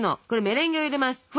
これメレンゲを入れます！